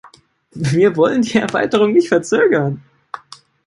Wir wollen die Erweiterung nicht verzögern.